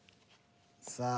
さあ。